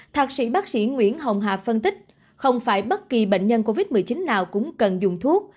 thạc sĩ bác sĩ nguyễn hồng hà phân tích không phải bất kỳ bệnh nhân covid một mươi chín nào cũng cần dùng thuốc